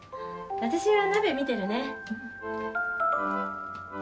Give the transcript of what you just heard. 私は鍋見てるね。